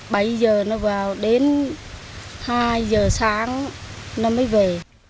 bảy giờ nó vào đến hai giờ sáng nó mới về